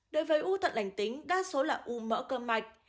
đối với u tận lành tính đa số là u mỡ cơ mạch